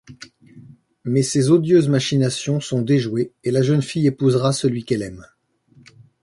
Mais ses odieuses machinations sont déjouées et la jeune fille épousera celui qu'elle aime.